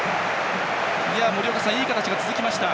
森岡さん、いい形が続きました。